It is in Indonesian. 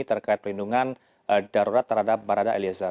terkait perlindungan darurat terhadap barada eliezer